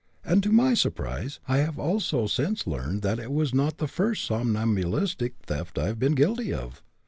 And to my surprise, I have also since learned that it was not the first somnambulistic theft I have been guilty of.